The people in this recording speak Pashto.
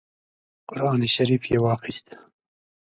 قران شریف یې واخیست.